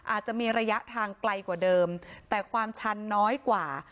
อาจจะมีระยะทางไกลกว่าเดิมแต่ความชันน้อยกว่า